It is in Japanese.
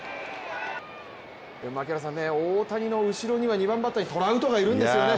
大谷の後ろには２番バッターにトラウトがいるんですよね。